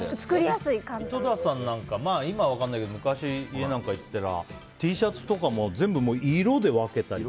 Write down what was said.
井戸田さんなんか今は分からないけど昔、家に行ったらＴシャツとかもう全部色で分けたり。